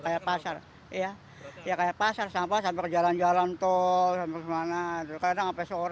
gimana ya tanpa tanpa kerusakan